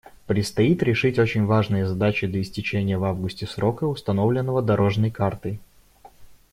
Предстоит решить очень важные задачи до истечения в августе срока, установленного «дорожной картой».